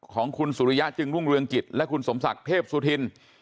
ของคุณสุริยะจึงรุ่งเรืองกิจและคุณสมศักดิ์เทพสุธิน